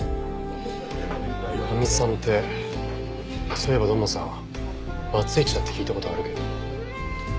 かみさんってそういえば土門さんバツイチだって聞いた事はあるけど。